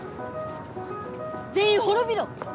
全員滅びろ！